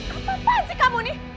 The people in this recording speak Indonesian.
apa apa sih kamu nih